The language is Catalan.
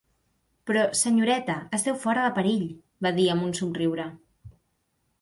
"Però, senyoreta, esteu fora de perill", va dir, amb un somriure.